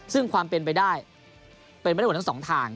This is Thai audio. ซึ่งความเป็นไปได้เป็นไปได้หมดทั้งสองทาง